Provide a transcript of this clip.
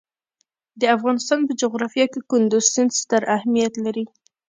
د افغانستان په جغرافیه کې کندز سیند ستر اهمیت لري.